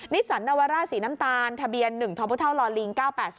นิสันนวรร่าศรีน้ำตาลทะเบียน๑ท้อมพุท่าวลอลิง๙๘๐๗